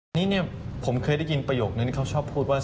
อันนี้เนี่ยผมเคยได้ยินประโยคนั้นเขาชอบพูดว่า